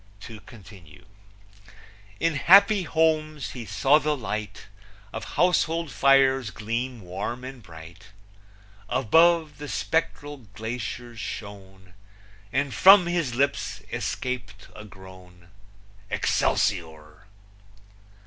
To continue: In happy homes he saw the light Of household fires gleam warm and bright; Above, the spectral glaciers shone, And from his lips escaped a groan, Excelsior!